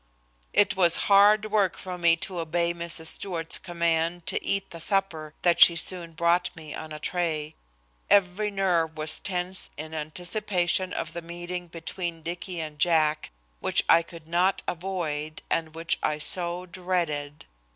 It was hard work for me to obey Mrs. Stewart's command to eat the supper that she soon brought me on a tray. Every nerve was tense in anticipation of the meeting between Dicky and Jack, which I could not avoid, and which I so dreaded.